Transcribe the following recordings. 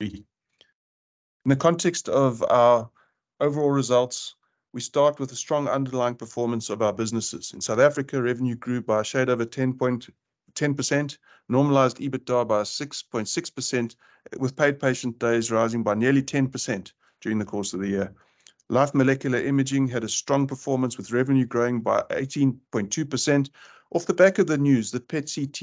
In the context of our overall results, we start with a strong underlying performance of our businesses. In South Africa, revenue grew by a shade over 10.10%, normalized EBITDA by 6.6%, with paid patient days rising by nearly 10% during the course of the year. Life Molecular Imaging had a strong performance, with revenue growing by 18.2% off the back of the news that PET/CT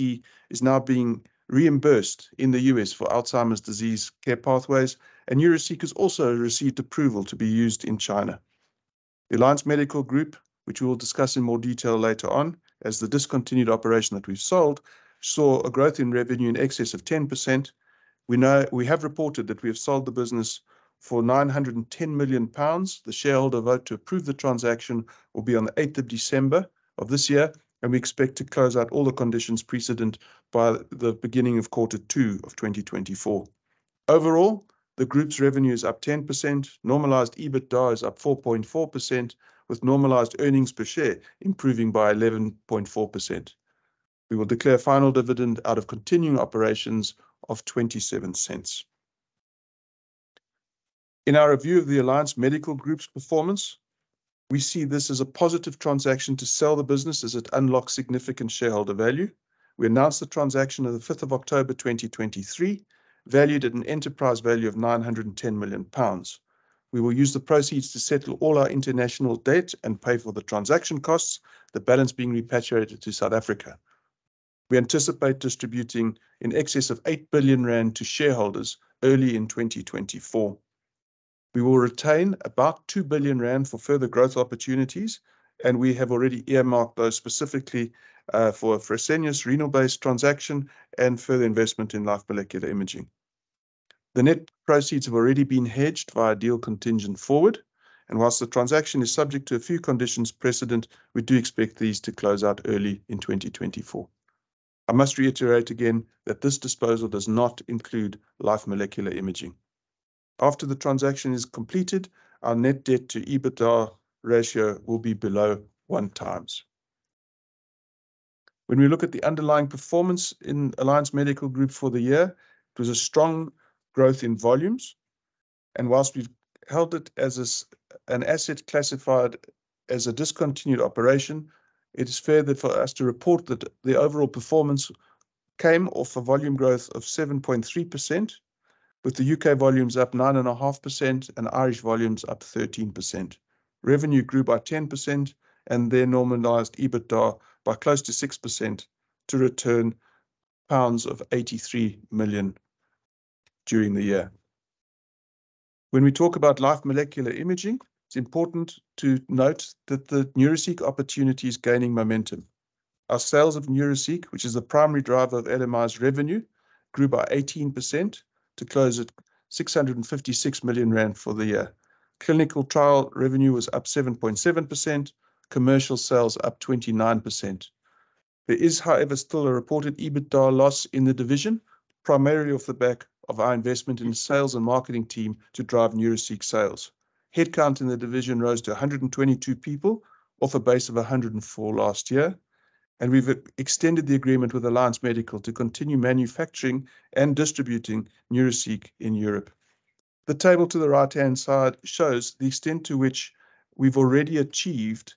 is now being reimbursed in the US for Alzheimer's disease care pathways, and Neuraceq has also received approval to be used in China. Alliance Medical Group, which we will discuss in more detail later on as the discontinued operation that we've sold, saw a growth in revenue in excess of 10%. We have reported that we have sold the business for 910 million pounds. The shareholder vote to approve the transaction will be on the 8th of December of this year, and we expect to close out all the conditions precedent by the beginning of quarter two of 2024. Overall, the group's revenue is up 10%, normalized EBITDA is up 4.4%, with normalized earnings per share improving by 11.4%. We will declare final dividend out of continuing operations of 27 cents. In our review of the Alliance Medical Group's performance, we see this as a positive transaction to sell the business as it unlocks significant shareholder value. We announced the transaction on the 5th October, 2023, valued at an enterprise value of 910 million pounds. We will use the proceeds to settle all our international debt and pay for the transaction costs, the balance being repatriated to South Africa. We anticipate distributing in excess of 8 billion rand to shareholders early in 2024. We will retain about 2 billion rand for further growth opportunities, and we have already earmarked those specifically for Fresenius renal base transaction and further investment in Life Molecular Imaging. The net proceeds have already been hedged via a deal contingent forward, and while the transaction is subject to a few conditions precedent, we do expect these to close out early in 2024. I must reiterate again that this disposal does not include Life Molecular Imaging. After the transaction is completed, our net debt to EBITDA ratio will be below 1x. When we look at the underlying performance in Alliance Medical Group for the year, it was a strong growth in volumes, and while we've held it as an asset classified as a discontinued operation, it is fair for us to report that the overall performance came off a volume growth of 7.3%, with the UK volumes up 9.5% and Irish volumes up 13%. Revenue grew by 10%, and their normalized EBITDA by close to 6% to 83 million pounds during the year. When we talk about Life Molecular Imaging, it's important to note that the Neuraceq opportunity is gaining momentum. Our sales of Neuraceq, which is the primary driver of LMI's revenue, grew by 18% to 656 million rand for the year. Clinical trial revenue was up 7.7%, commercial sales up 29%. There is, however, still a reported EBITDA loss in the division, primarily off the back of our investment in the sales and marketing team to drive Neuraceq sales. Headcount in the division rose to 122 people off a base of 104 last year, and we've extended the agreement with Alliance Medical to continue manufacturing and distributing Neuraceq in Europe. The table to the right-hand side shows the extent to which we've already achieved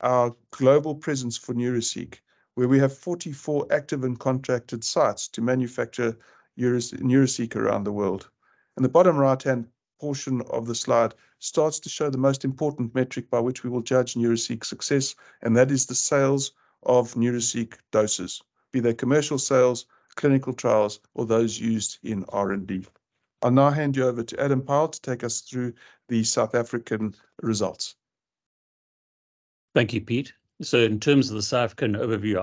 our global presence for Neuraceq, where we have 44 active and contracted sites to manufacture Neuraceq around the world. The bottom right-hand portion of the slide starts to show the most important metric by which we will judge Neuraceq's success, and that is the sales of Neuraceq doses, be they commercial sales, clinical trials, or those used in R&D. I'll now hand you over to Adam Pyle to take us through the South African results. Thank you, Pete. So in terms of the South African overview,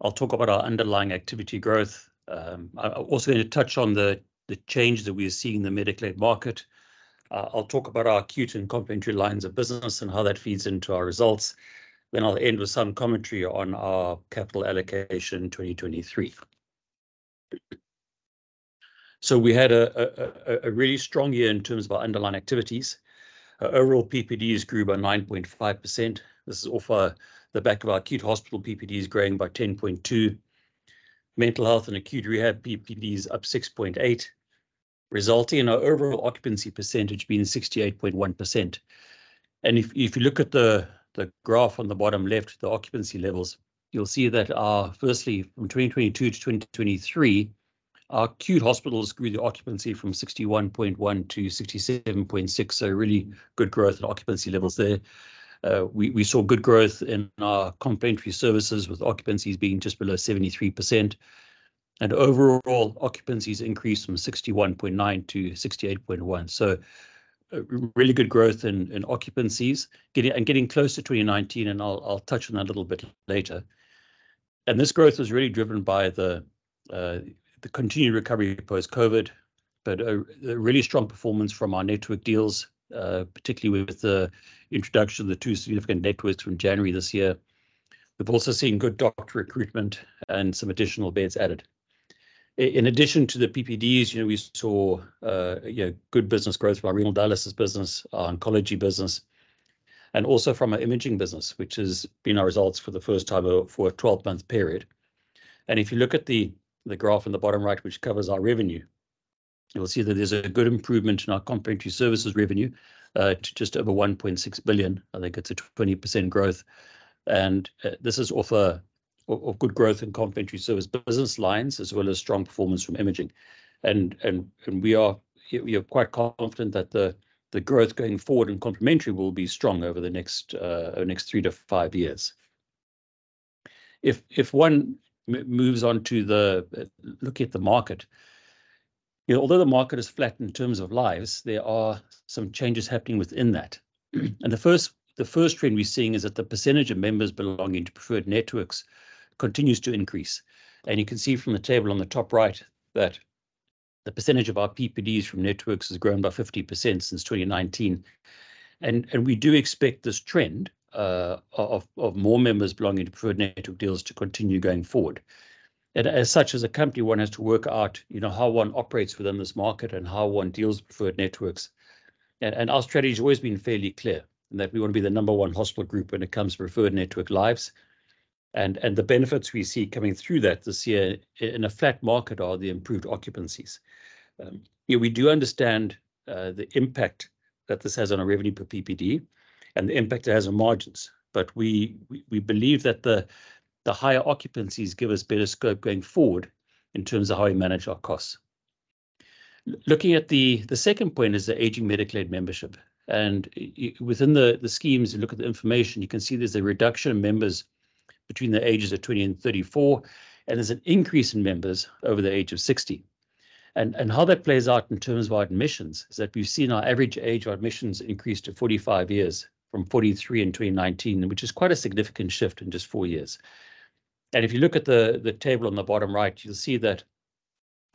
I'll talk about our underlying activity growth. I'm also going to touch on the change that we are seeing in the medical aid market. I'll talk about our acute and complementary lines of business and how that feeds into our results. Then I'll end with some commentary on our capital allocation 2023. So we had a really strong year in terms of our underlying activities. Our overall PPDs grew by 9.5%. This is off the back of our acute hospital PPDs growing by 10.2. Mental health and acute rehab PPD is up 6.8, resulting in our overall occupancy percentage being 68.1%. If you look at the graph on the bottom left, the occupancy levels, you'll see that, firstly, from 2022 to 2023, our acute hospitals grew the occupancy from 61.1 to 67.6, so really good growth in occupancy levels there. We saw good growth in our complementary services, with occupancies being just below 73%, and overall occupancies increased from 61.9 to 68.1. So really good growth in occupancies, getting close to 2019, and I'll touch on that a little bit later. This growth was really driven by the continued recovery post-COVID, but a really strong performance from our network deals, particularly with the introduction of the two significant networks from January this year. We've also seen good doctor recruitment and some additional beds added. In addition to the PPDs, you know, we saw, you know, good business growth by renal dialysis business, our oncology business, and also from our imaging business, which has been our results for the first time, for a 12-month period. And if you look at the graph in the bottom right, which covers our revenue, you'll see that there's a good improvement in our complementary services revenue, to just over 1.6 billion. I think it's a 20% growth, and, this is off of good growth in complementary service business lines, as well as strong performance from imaging. And we are quite confident that the growth going forward in complementary will be strong over the next 3-5 years. If one moves on to the look at the market, you know, although the market is flat in terms of lives, there are some changes happening within that. And the first trend we're seeing is that the percentage of members belonging to preferred networks continues to increase. And you can see from the table on the top right, that the percentage of our PPDs from networks has grown by 50% since 2019. And we do expect this trend of more members belonging to preferred network deals to continue going forward. And as such, as a company, one has to work out, you know, how one operates within this market and how one deals with preferred networks. Our strategy has always been fairly clear, in that we want to be the number one hospital group when it comes to preferred network lives. The benefits we see coming through that this year in a flat market are the improved occupancies. Yeah, we do understand the impact that this has on our revenue per PPD and the impact it has on margins, but we believe that the higher occupancies give us better scope going forward in terms of how we manage our costs. Looking at the second point is the aging medical aid membership, and within the schemes, you look at the information, you can see there's a reduction in members between the ages of 20 and 34, and there's an increase in members over the age of 60. And how that plays out in terms of our admissions is that we've seen our average age of admissions increase to 45 years, from 43 in 2019, which is quite a significant shift in just four years. And if you look at the table on the bottom right, you'll see that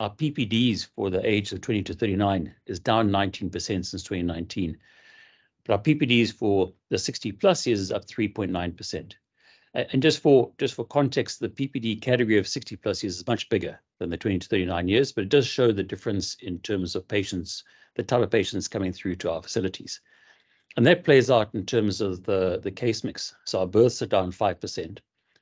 our PPDs for the age of 20-39 is down 19% since 2019. But our PPDs for the 60+ years is up 3.9%. And just for, just for context, the PPD category of 60+ years is much bigger than the 20-39 years, but it does show the difference in terms of patients, the type of patients coming through to our facilities. And that plays out in terms of the case mix. So our births are down 5%,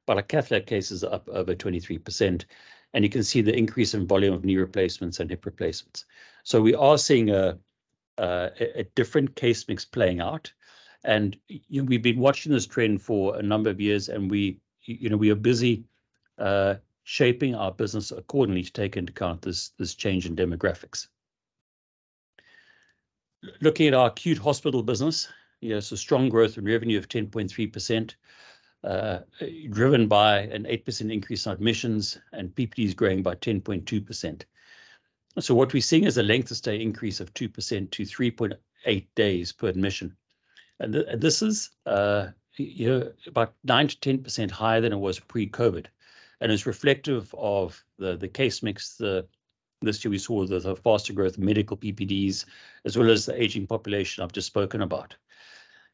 but our cath lab cases are up over 23%, and you can see the increase in volume of knee replacements and hip replacements. So we are seeing a different case mix playing out. And we've been watching this trend for a number of years, and we, you know, we are busy shaping our business accordingly to take into account this change in demographics. Looking at our acute hospital business, you know, so strong growth in revenue of 10.3%, driven by an 8% increase in admissions and PPDs growing by 10.2%. So what we're seeing is a length of stay increase of 2% to 3.8 days per admission. This is, you know, about 9%-10% higher than it was pre-COVID, and it's reflective of the case mix. This year we saw the faster growth medical PPDs, as well as the aging population I've just spoken about.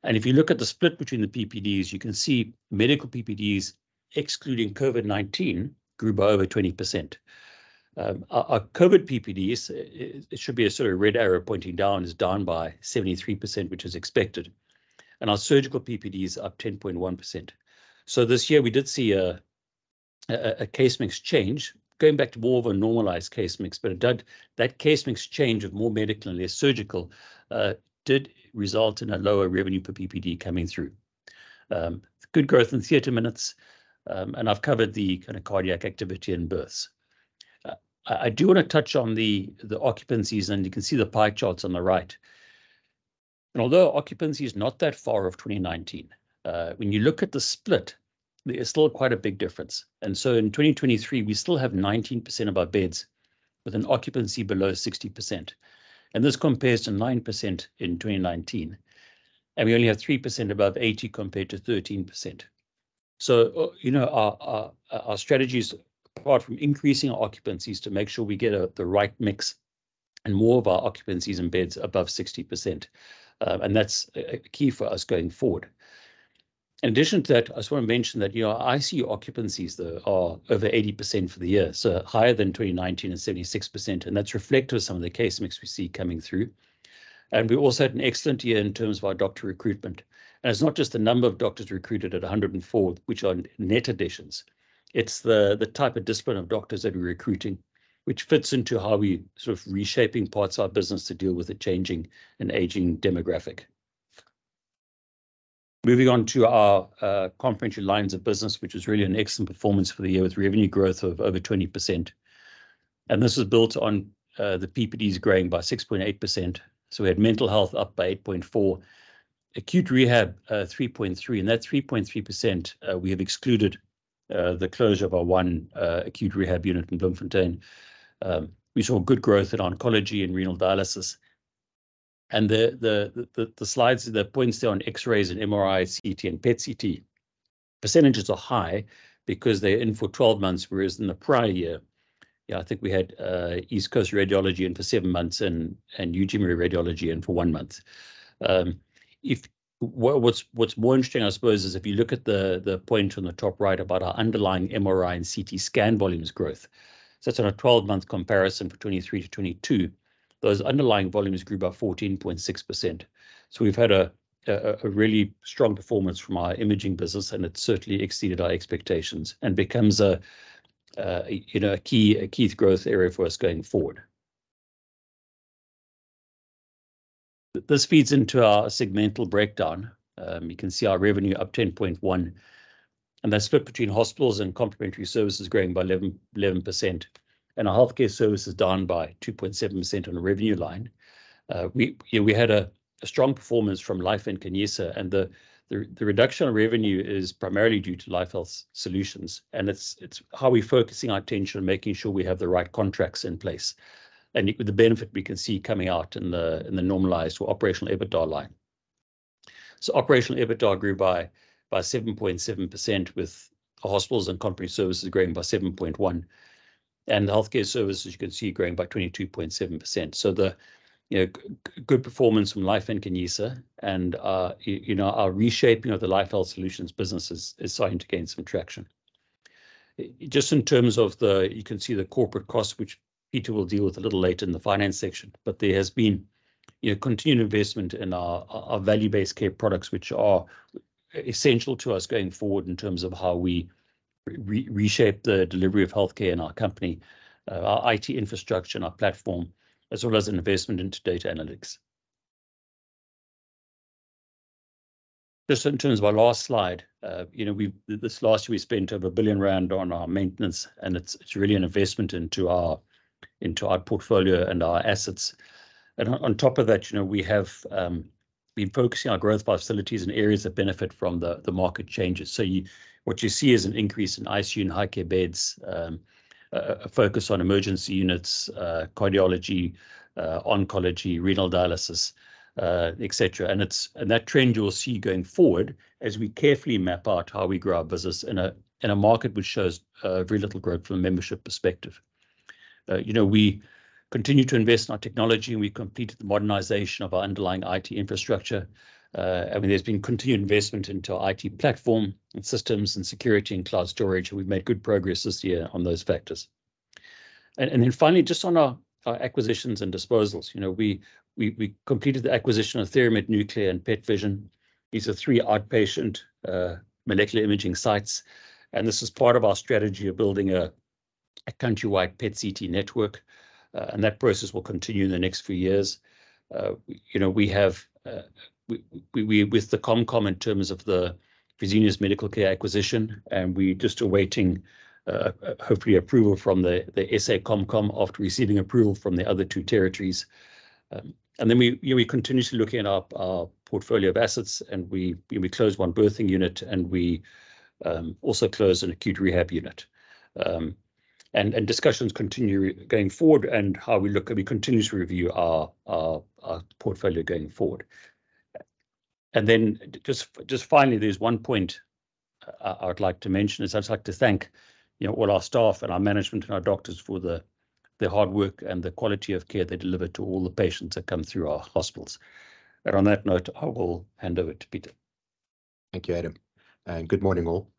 And if you look at the split between the PPDs, you can see medical PPDs, excluding COVID-19, grew by over 20%. Our COVID PPDs, it should be a sort of red arrow pointing down, is down by 73%, which is expected, and our surgical PPD is up 10.1%. So this year we did see a case mix change, going back to more of a normalized case mix, but it did that case mix change of more medical and less surgical, did result in a lower revenue per PPD coming through. Good growth in theater minutes, and I've covered the kind of cardiac activity and births. I do want to touch on the occupancies, and you can see the pie charts on the right. Although occupancy is not that far off 2019, when you look at the split, there's still quite a big difference. So in 2023, we still have 19% of our beds with an occupancy below 60%, and this compares to 9% in 2019, and we only have 3% above 80%, compared to 13%. So, you know, our strategy is, apart from increasing our occupancies, to make sure we get the right mix and more of our occupancies and beds above 60%. That's key for us going forward. In addition to that, I just want to mention that, you know, ICU occupancies, though, are over 80% for the year, so higher than 2019 and 76%, and that's reflective of some of the case mix we see coming through. And we also had an excellent year in terms of our doctor recruitment. And it's not just the number of doctors recruited at 104, which are net additions, it's the type of discipline of doctors that we're recruiting, which fits into how we're sort of reshaping parts of our business to deal with the changing and aging demographic. Moving on to our complementary lines of business, which is really an excellent performance for the year, with revenue growth of over 20%. And this is built on the PPDs growing by 6.8%. So we had mental health up by 8.4, acute rehab 3.3, and that 3.3%, we have excluded the closure of our one acute rehab unit in Bloemfontein. We saw good growth in oncology and renal dialysis, and the slides that points there on X-rays and MRI, CT, and PET/CT, percentages are high because they're in for 12 months, whereas in the prior year, I think we had East Coast Radiology in for 7 months and Eugene Marais Radiology in for one month. What's more interesting, I suppose, is if you look at the point on the top right about our underlying MRI and CT scan volumes growth, so that's on a 12-month comparison for 2023 to 2022. Those underlying volumes grew by 14.6%. So we've had a really strong performance from our imaging business, and it certainly exceeded our expectations and becomes a you know a key growth area for us going forward. This feeds into our segmental breakdown. You can see our revenue up 10.1%, and that's split between hospitals and complementary services growing by 11%, and our healthcare services down by 2.7% on the revenue line. We you know we had a strong performance from Life Nkanyisa, and the reduction in revenue is primarily due to Life Health Solutions, and it's how we're focusing our attention and making sure we have the right contracts in place. And with the benefit we can see coming out in the normalized or operational EBITDA line. So operational EBITDA grew by 7.7%, with hospitals and complementary services growing by 7.1, and healthcare services, you can see growing by 22.7%. So the, you know, good performance from Life Nkanyisa and, you know, our reshaping of the Life Health Solutions business is starting to gain some traction. Just in terms of the... You can see the corporate costs, which Pieter will deal with a little later in the finance section. But there has been, you know, continued investment in our value-based care products, which are essential to us going forward in terms of how we reshape the delivery of healthcare in our company, our IT infrastructure and our platform, as well as investment into data analytics. Just in terms of our last slide, you know, this last year, we spent over 1 billion rand on our maintenance, and it's really an investment into our portfolio and our assets. On top of that, you know, we have been focusing our growth by facilities and areas that benefit from the market changes. What you see is an increase in ICU and high-care beds, a focus on emergency units, cardiology, oncology, renal dialysis, et cetera. And that trend you will see going forward as we carefully map out how we grow our business in a market which shows very little growth from a membership perspective. You know, we continue to invest in our technology, and we completed the modernization of our underlying IT infrastructure. I mean, there's been continued investment into our IT platform and systems and security and cloud storage, and we've made good progress this year on those vectors. And then finally, just on our acquisitions and disposals. You know, we completed the acquisition of TheraMed Nuclear and PET Vision. These are three outpatient molecular imaging sites, and this is part of our strategy of building a countrywide PET/CT network. And that process will continue in the next few years. You know, with the Comp Com in terms of the Fresenius Medical Care acquisition, and we're just awaiting hopefully approval from the SA Comp Com after receiving approval from the other two territories. And then we, you know, we continuously looking at our portfolio of assets, and we, you know, we closed one birthing unit, and we also closed an acute rehab unit. And discussions continue going forward and how we look and we continue to review our portfolio going forward. And then just finally, there's one point I would like to mention, is I'd like to thank, you know, all our staff and our management and our doctors for the hard work and the quality of care they deliver to all the patients that come through our hospitals. And on that note, I will hand over to Peter. Thank you, Adam, and good morning, all.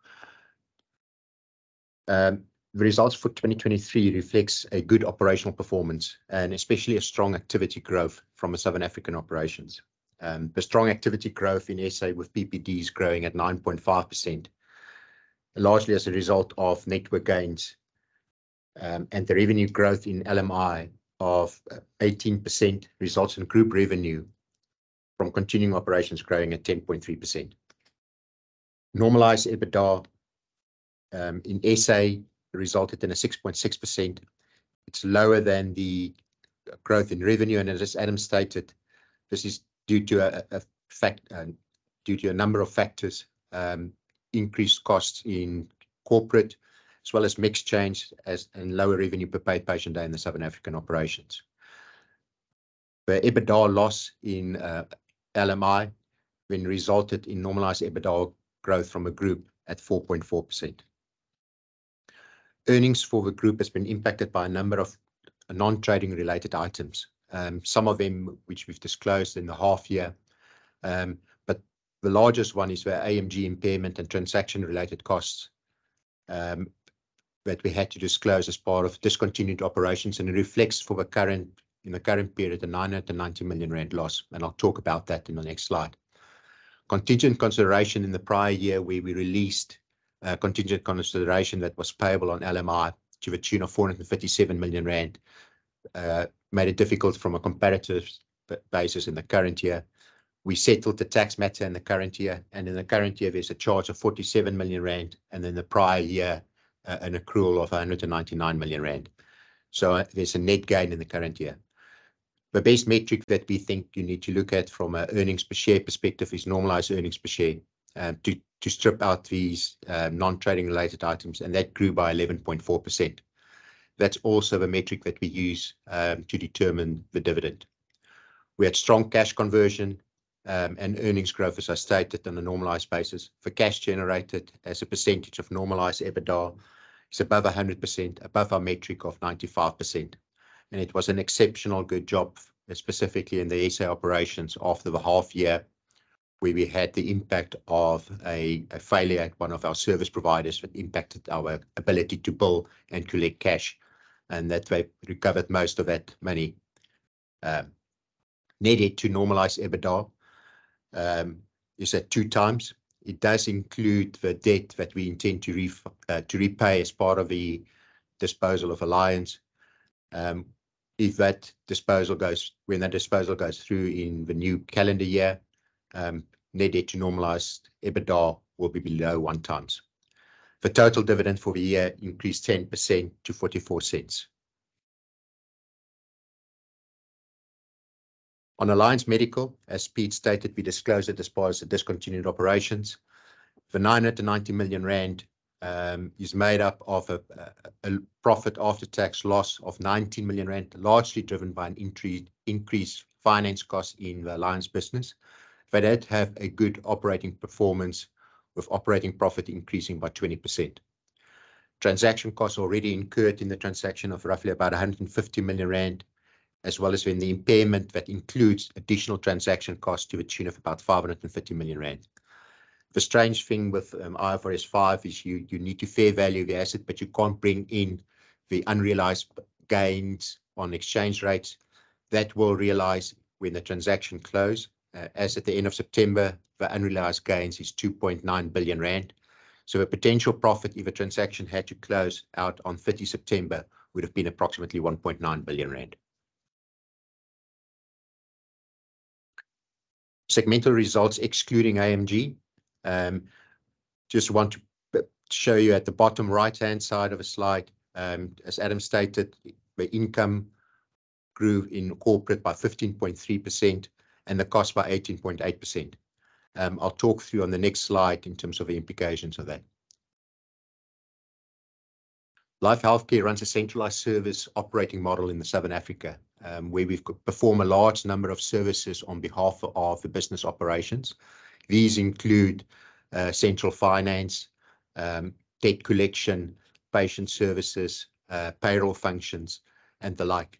The results for 2023 reflect a good operational performance and especially a strong activity growth from the Southern African operations. The strong activity growth in SA, with PPDs growing at 9.5%, largely as a result of network gains, and the revenue growth in LMI of 18%, results in group revenue from continuing operations growing at 10.3%. Normalized EBITDA in SA resulted in a 6.6%. It's lower than the growth in revenue, and as Adam stated, this is due to a number of factors, increased costs in corporate, as well as mix change and lower revenue per paid patient day in the Southern African operations. The EBITDA loss in LMI when resulted in normalized EBITDA growth from the group at 4.4%. Earnings for the group has been impacted by a number of non-trading related items, some of them which we've disclosed in the half year. But the largest one is the AMG impairment and transaction-related costs, that we had to disclose as part of discontinued operations, and it reflects for the current, in the current period, the 990 million rand loss, and I'll talk about that in the next slide. Contingent consideration in the prior year, where we released a contingent consideration that was payable on LMI to the tune of 457 million rand, made it difficult from a comparative basis in the current year. We settled the tax matter in the current year, and in the current year, there's a charge of 47 million rand, and in the prior year, an accrual of 199 million rand. So there's a net gain in the current year. The base metric that we think you need to look at from an earnings per share perspective is normalized earnings per share, to, to strip out these, non-trading-related items, and that grew by 11.4%. That's also the metric that we use, to determine the dividend. We had strong cash conversion, and earnings growth, as I stated, on a normalized basis. The cash generated as a percentage of normalized EBITDA is above 100%, above our metric of 95%, and it was an exceptional good job, specifically in the SA operations after the half year-... where we had the impact of a failure at one of our service providers that impacted our ability to bill and collect cash, and that we've recovered most of that money. Net debt to normalized EBITDA is at 2 times. It does include the debt that we intend to repay as part of the disposal of Alliance. If that disposal goes through in the new calendar year, net debt to normalized EBITDA will be below 1 times. The total dividend for the year increased 10% to 44 cents. On Alliance Medical, as Pete stated, we disclosed it as part of the discontinued operations. The 990 million rand is made up of a profit after-tax loss of 90 million rand, largely driven by an increased finance cost in the Alliance business. They did have a good operating performance, with operating profit increasing by 20%. Transaction costs already incurred in the transaction of roughly about 150 million rand, as well as when the impairment that includes additional transaction costs to the tune of about 550 million rand. The strange thing with IFRS 5 is you, you need to fair value the asset, but you can't bring in the unrealized gains on exchange rates. That will realize when the transaction close. As at the end of September, the unrealized gains is 2.9 billion rand. So a potential profit, if the transaction had to close out on 30th September, would have been approximately 1.9 billion rand. Segmental results excluding AMG. Just want to show you at the bottom right-hand side of the slide, as Adam stated, the income grew in corporate by 15.3% and the cost by 18.8%. I'll talk through on the next slide in terms of the implications of that. Life Healthcare runs a centralized service operating model in the Southern Africa, where we've got perform a large number of services on behalf of the business operations. These include central finance, debt collection, patient services, payroll functions, and the like.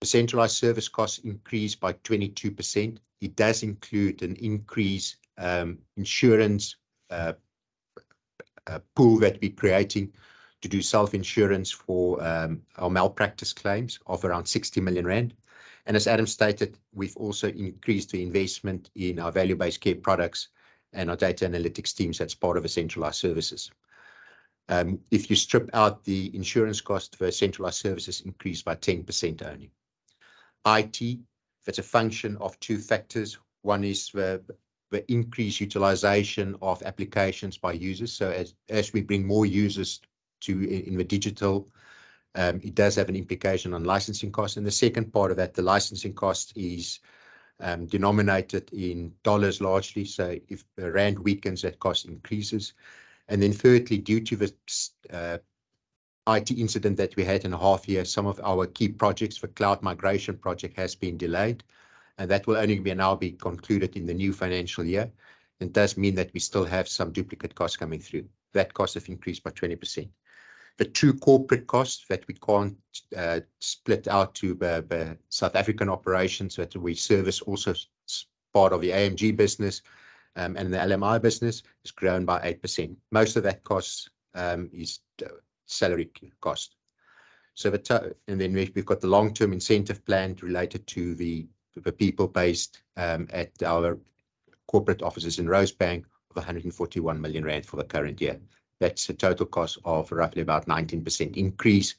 The centralized service costs increased by 22%. It does include an increased insurance pool that we're creating to do self-insurance for our malpractice claims of around 60 million rand. And as Adam stated, we've also increased the investment in our value-based care products and our data analytics teams. That's part of the centralized services. If you strip out the insurance cost, the centralized services increased by 10% only. IT, that's a function of two factors. One is the increased utilization of applications by users. So as we bring more users into the digital, it does have an implication on licensing costs. And the second part of that, the licensing cost is denominated in dollars, largely. So if the rand weakens, that cost increases. And then thirdly, due to the IT incident that we had in the half year, some of our key projects, the cloud migration project, has been delayed, and that will only be now being concluded in the new financial year. It does mean that we still have some duplicate costs coming through. That cost have increased by 20%. The two corporate costs that we can't split out to the South African operations that we service, also part of the AMG business, and the LMI business, has grown by 8%. Most of that cost is salary cost. So. And then we've got the long-term incentive plan related to the people based at our corporate offices in Rosebank of 141 million rand for the current year. That's a total cost of roughly about 19% increase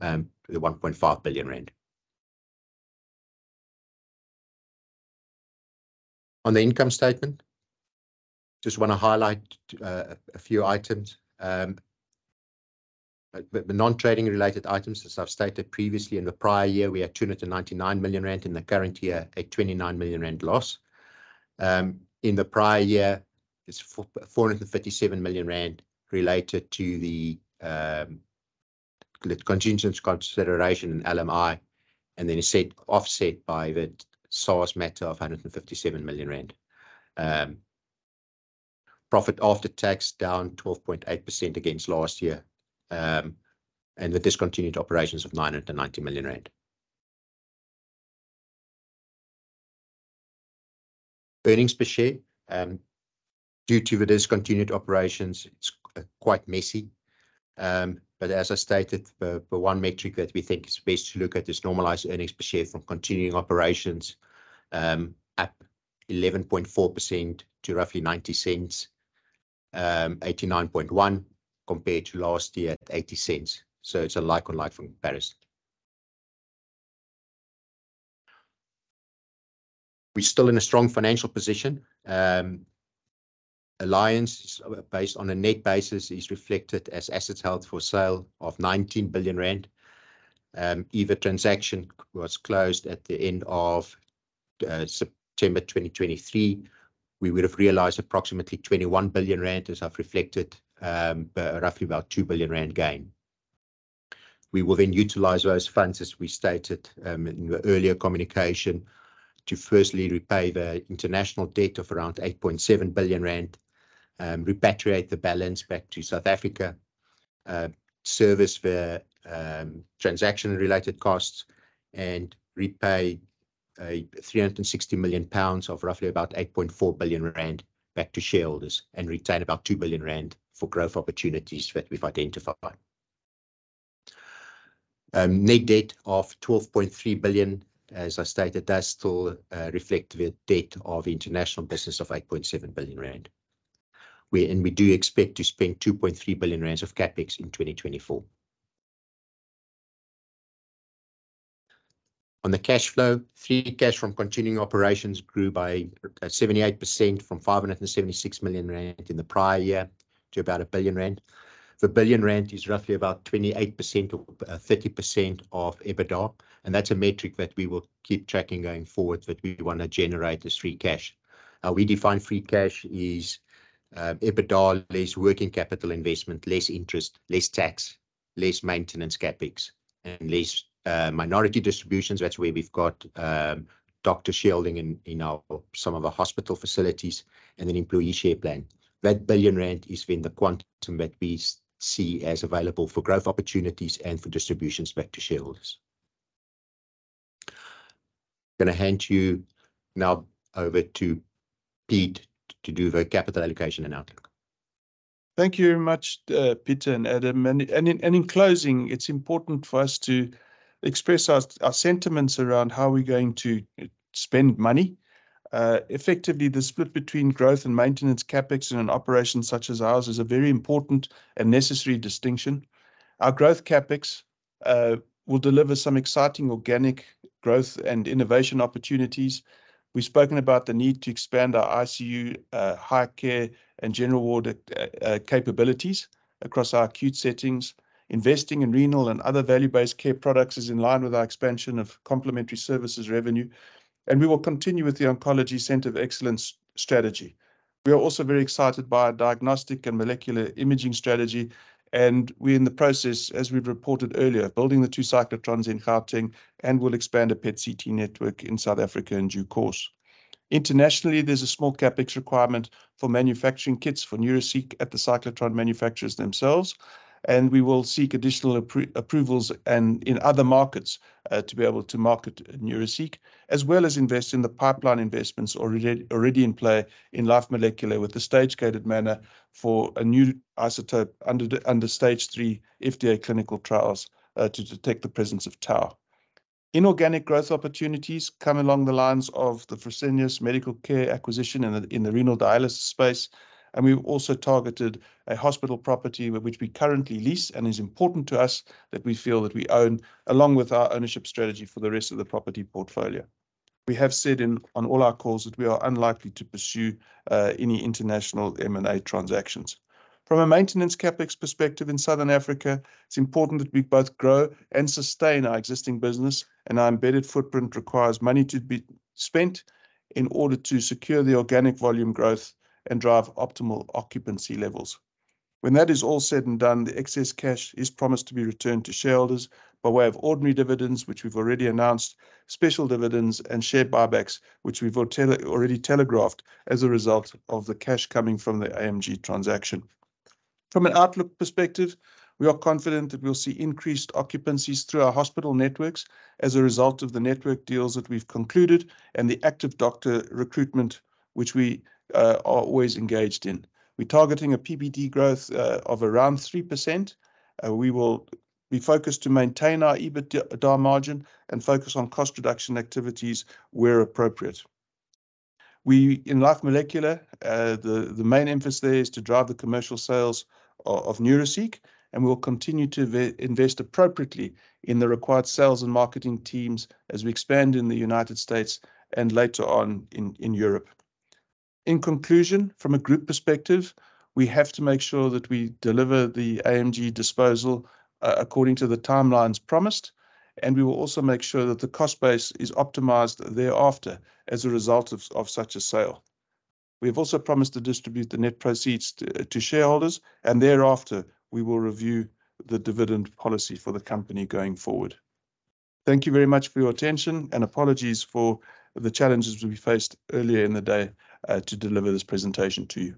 to the ZAR 1.5 billion. On the income statement, just want to highlight a few items. The non-trading related items, as I've stated previously in the prior year, we had 299 million rand, in the current year, a 29 million rand loss. In the prior year, it's 457 million rand related to the contingent consideration in LMI, and then it's set off by the SARS matter of 157 million rand. Profit after tax, down 12.8% against last year, and the discontinued operations of 990 million rand. Earnings per share, due to the discontinued operations, it's quite messy. But as I stated, the one metric that we think is best to look at is normalized earnings per share from continuing operations, up 11.4% to roughly 90 cents, 0.891, compared to last year at 0.86. So it's a like-for-like comparison. We're still in a strong financial position. Alliance, based on a net basis, is reflected as assets held for sale of 19 billion rand. If the transaction was closed at the end of September 2023, we would have realized approximately 21 billion rand, as I've reflected, roughly about 2 billion rand gain. We will then utilize those funds, as we stated, in the earlier communication, to firstly repay the international debt of around 8.7 billion rand, repatriate the balance back to South Africa, service via transaction related costs and repay 360 million pounds of roughly about 8.4 billion rand back to shareholders and retain about 2 billion rand for growth opportunities that we've identified. Net debt of 12.3 billion, as I stated, does still reflect the debt of international business of 8.7 billion rand. We, and we do expect to spend 2.3 billion rand of CapEx in 2024. On the cash flow, free cash from continuing operations grew by 78% from 576 million rand in the prior year to about 1 billion rand. The 1 billion rand is roughly about 28% or 30% of EBITDA, and that's a metric that we will keep tracking going forward, that we want to generate this free cash. How we define free cash is EBITDA less working capital investment, less interest, less tax, less maintenance CapEx, and less minority distributions. That's where we've got doctor shielding in some of the hospital facilities and an employee share plan. That 1 billion rand is within the quantum that we see as available for growth opportunities and for distributions back to shareholders. I'm going to hand you now over to Peter to do the capital allocation and outlook. Thank you very much, Pieter and Adam. In closing, it's important for us to express our sentiments around how we're going to spend money. Effectively, the split between growth and maintenance CapEx in an operation such as ours is a very important and necessary distinction. Our growth CapEx will deliver some exciting organic growth and innovation opportunities. We've spoken about the need to expand our ICU, high care, and general ward capabilities across our acute settings. Investing in renal and other value-based care products is in line with our expansion of complementary services revenue, and we will continue with the Oncology Centre of Excellence strategy. We are also very excited by our diagnostic and molecular imaging strategy, and we're in the process, as we've reported earlier, building the two cyclotrons in Gauteng, and we'll expand a PET/CT network in South Africa in due course. Internationally, there's a small CapEx requirement for manufacturing kits for Neuraceq at the cyclotron manufacturers themselves, and we will seek additional approvals in other markets to be able to market Neuraceq, as well as invest in the pipeline investments already in play in Life Molecular with a stage-gated manner for a new isotope under phase 3 FDA clinical trials to detect the presence of tau. Inorganic growth opportunities come along the lines of the Fresenius Medical Care acquisition in the renal dialysis space, and we've also targeted a hospital property which we currently lease and is important to us that we feel that we own, along with our ownership strategy for the rest of the property portfolio. We have said on all our calls that we are unlikely to pursue any international M&A transactions. From a maintenance CapEx perspective in Southern Africa, it's important that we both grow and sustain our existing business, and our embedded footprint requires money to be spent in order to secure the organic volume growth and drive optimal occupancy levels. When that is all said and done, the excess cash is promised to be returned to shareholders by way of ordinary dividends, which we've already announced, special dividends and share buybacks, which we've already telegraphed as a result of the cash coming from the AMG transaction. From an outlook perspective, we are confident that we'll see increased occupancies through our hospital networks as a result of the network deals that we've concluded and the active doctor recruitment, which we are always engaged in. We're targeting an EBITDA growth of around 3%. We will be focused to maintain our EBITDA margin and focus on cost reduction activities where appropriate. We, in Life Molecular, the main emphasis there is to drive the commercial sales of Neuraceq, and we will continue to invest appropriately in the required sales and marketing teams as we expand in the United States and later on in Europe. In conclusion, from a group perspective, we have to make sure that we deliver the AMG disposal according to the timelines promised, and we will also make sure that the cost base is optimized thereafter as a result of such a sale. We have also promised to distribute the net proceeds to shareholders, and thereafter we will review the dividend policy for the company going forward. Thank you very much for your attention, and apologies for the challenges that we faced earlier in the day to deliver this presentation to you.